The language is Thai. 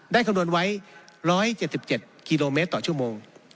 คำนวณไว้๑๗๗กิโลเมตรต่อชั่วโมง